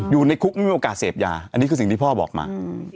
อยู่ในคุกไม่มีโอกาสเสพยาอันนี้คือสิ่งที่พ่อบอกมา